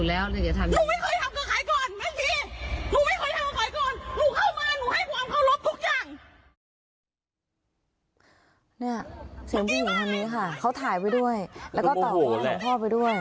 แล้วก็ตอบว่าของพ่อไปด้วย